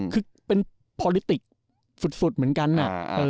คือเป็นพอลิติกสุดเหมือนกันอะ